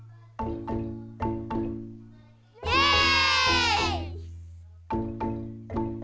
イエーイ！